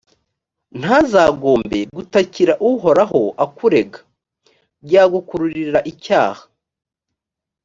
ntazagombe gutakira uhoraho akurega: byagukururira icyaha.